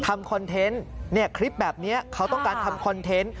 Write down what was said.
คอนเทนต์เนี่ยคลิปแบบนี้เขาต้องการทำคอนเทนต์